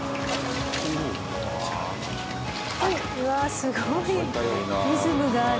うわあすごいリズムがある。